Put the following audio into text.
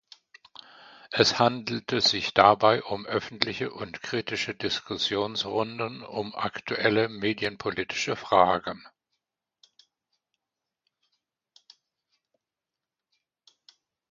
Es handelte sich dabei um öffentliche und kritische Diskussionsrunden um aktuelle medienpolitische Fragen.